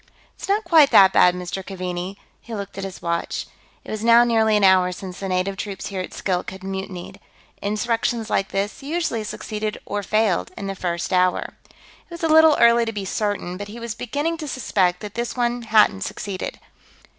"It's not quite that bad, Mr. Keaveney." He looked at his watch. It was now nearly an hour since the native troops here at Skilk had mutinied. Insurrections like this usually succeeded or failed in the first hour. It was a little early to be certain, but he was beginning to suspect that this one hadn't succeeded.